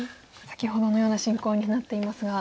先ほどのような進行になっていますが。